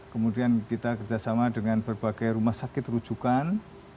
kemudian kita kerjasama dengan berbagai rumah sakit rujukan